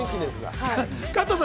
加藤さん